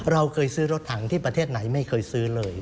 เราเคยซื้อรถถังที่ประเทศไหนไม่เคยซื้อเลย